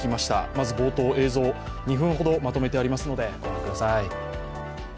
まず冒頭、映像２分ほどまとめてありますので御覧ください。